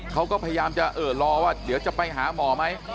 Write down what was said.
เขาก็พยายามจะรอว่าเดี๋ยวจะไปหาหมอไหม